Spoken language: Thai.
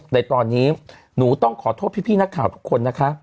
ในตอนนี้หนูต้องขอโทษพี่นักข่าวทุกคนนะคะ